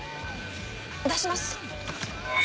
出します。